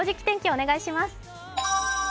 お願いします。